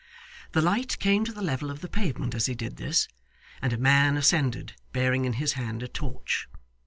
The light came to the level of the pavement as he did this, and a man ascended, bearing in his hand a torch.